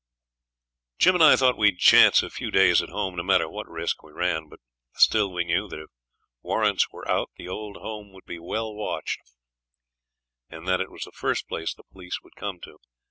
Jim and I thought we'd chance a few days at home, no matter what risk we ran; but still we knew that if warrants were out the old home would be well watched, and that it was the first place the police would come to.